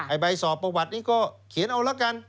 ใบสอบประวัตินี้ก็เขียนเอาละกัน